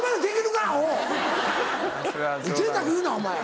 ぜいたく言うなお前。